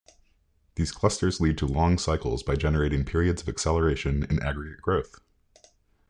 These clusters lead to long cycles by generating periods of acceleration in aggregate growth.